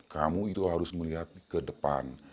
kamu itu harus melihat ke depan